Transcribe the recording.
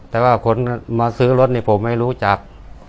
แต่ว่าคนมาซื้อรถนี่ผมไม่รู้จัก